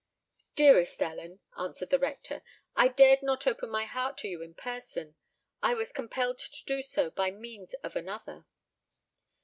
"Dearest Ellen," answered the rector, "I dared not open my heart to you in person—I was compelled to do so by means of another."